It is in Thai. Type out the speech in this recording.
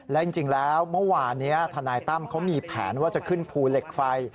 และจริงแล้วเมื่อวานนี้ทนายตั้มเขามีแผนว่าจะขึ้นภูเหล็กไฟ